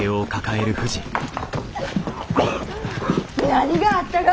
何があったが！？